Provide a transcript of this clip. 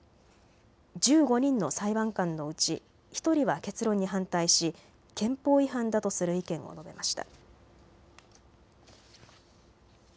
１５人の裁判官のうち１人は結論に反対し憲法違反だとする意見を述べました。